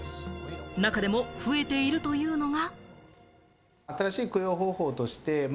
中でも増えているというのが。